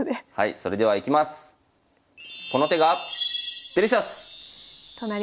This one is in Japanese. それではいきます！